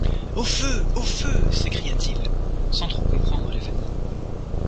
Au feu! au feu ! s’écria-t-il », sans trop comprendre l’événement.